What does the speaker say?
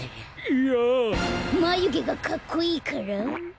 まゆげがかっこいいから？